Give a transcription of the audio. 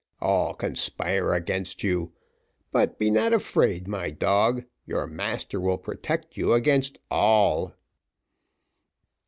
All conspire against you, but be not afraid, my dog, your master will protect you against all."